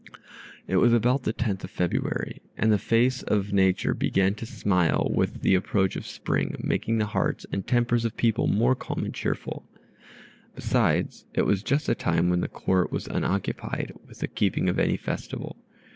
It was about the tenth of February, and the face of Nature began to smile with the approach of spring, making the hearts and tempers of people more calm and cheerful; besides, it was just the time when the Court was unoccupied with the keeping of any festival.